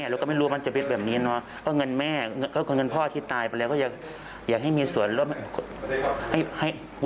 ตลาดตรวจเงินคนมาตลาดเยอะใช่ไหม